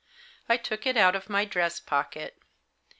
I took it out of my dress pocket.